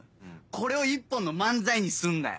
これを１本の漫才にすんだよ！